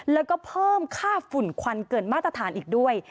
แล้วก็เพิ่มค่าฝุ่นควันเกินมาตรฐานอีกด้วย